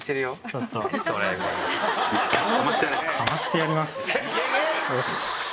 よし！